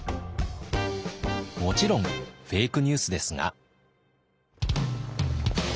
もちろんフェイクニュースですが。